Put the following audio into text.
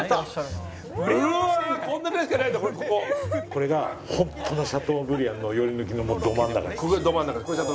これがホントのシャトーブリアンのより抜きのど真ん中ですね。